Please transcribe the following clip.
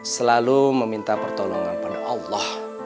selalu meminta pertolongan pada allah